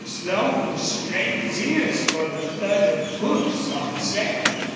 Slone strained his ears for the thud of hoofs on sand.